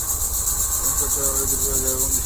এখন, সত্যের তরবারি, দ্রুত উড়ে যাও এবং নিশ্চিত করো।